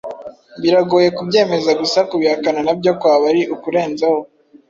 biragoye kubyemeza gusa kubihakana nabyo kwaba ari ukurenzaho